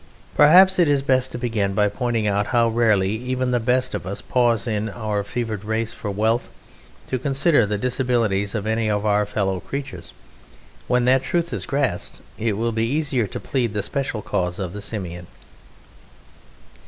Perhaps it is best to begin by pointing out how rarely even the best of us pause in our fevered race for wealth to consider the disabilities of any of our fellow creatures: when that truth is grasped it will be easier to plead the special cause of the Simian.